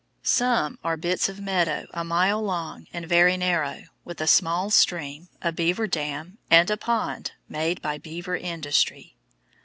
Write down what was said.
Some are bits of meadow a mile long and very narrow, with a small stream, a beaver dam, and a pond made by beaver industry.